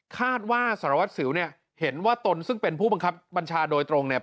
คาดว่าสารวัตรสิวเนี่ยเห็นว่าตนซึ่งเป็นผู้บังคับบัญชาโดยตรงเนี่ย